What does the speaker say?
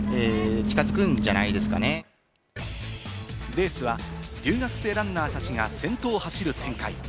レースは留学生ランナーたちが先頭を走る展開。